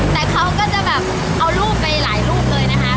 แต่เขาก็จะแบบเอารูปไปหลายรูปเลยนะคะ